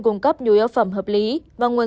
cung cấp nhiều yếu phẩm hợp lý và nguồn